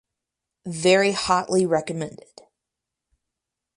Very hotly recommended.